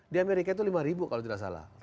di amerika itu lima ribu kalau tidak salah